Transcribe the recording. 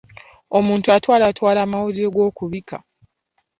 Omuntu atwalatwala amawulire g'okubika.